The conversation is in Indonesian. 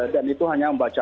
dan itu hanya membaca